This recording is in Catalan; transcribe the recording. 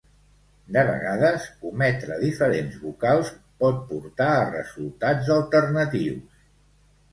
De vegades ometre diferents vocals pot portar a resultats alternatius.